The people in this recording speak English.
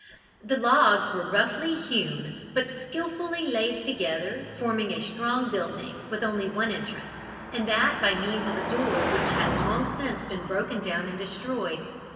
The logs were roughly hewn, but skilfully laid together, forming a strong building, with only one entrance, and that by means of a door which had long since been broken down and destroyed.